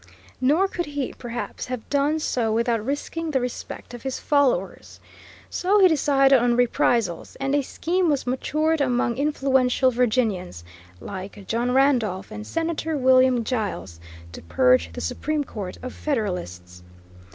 Nor could he, perhaps, have done so without risking the respect of his followers. So he decided on reprisals, and a scheme was matured among influential Virginians, like John Randolph and Senator William Giles, to purge the Supreme Court of Federalists.